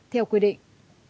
theo quy định